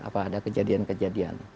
apa ada kejadian kejadian